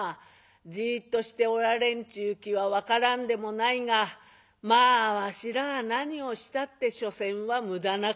じっとしておられんっちゅう気は分からんでもないがまあわしらは何をしたってしょせんは無駄なことや」。